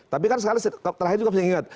tapi kan sekali terakhir juga harus diingat